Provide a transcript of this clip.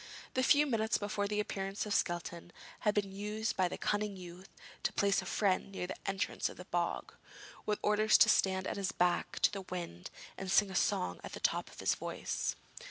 The few minutes before the appearance of Skelton had been used by the cunning youth to place a friend near the entrance of the bog, with orders to stand with his back to the wind and sing a song at the top of his voice.